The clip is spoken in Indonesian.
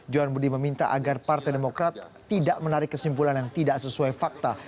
johan budi meminta agar partai demokrat tidak menarik kesimpulan yang tidak sesuai fakta